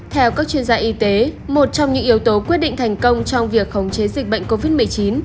theo các chuyên gia y tế một trong những yếu tố quyết định thành công trong việc khống chế dịch bệnh covid một mươi chín